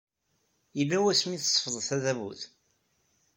Yella wasmi ay tsefḍeḍ tadabut?